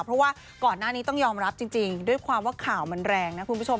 เพราะว่าก่อนหน้านี้ต้องยอมรับจริงด้วยความว่าข่าวมันแรงนะคุณผู้ชม